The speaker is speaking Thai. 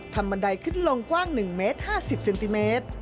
บันไดขึ้นลงกว้าง๑เมตร๕๐เซนติเมตร